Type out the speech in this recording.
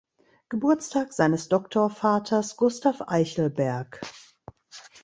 Geburtstag seines Doktorvaters Gustav Eichelberg.